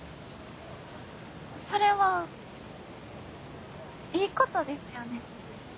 それはいいことですよね？